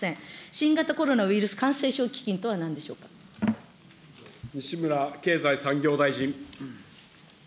新型コロナウイルス感染症基金と西村経済産業大臣。